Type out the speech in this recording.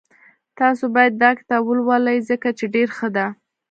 تاسو باید داکتاب ولولئ ځکه چی ډېر ښه ده